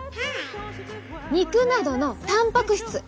肉などのたんぱく質！